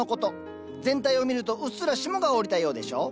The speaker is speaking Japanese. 全体を見るとうっすら霜が降りたようでしょ。